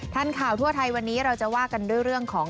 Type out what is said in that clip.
ทันข่าวทั่วไทยวันนี้เราจะว่ากันด้วยเรื่องของ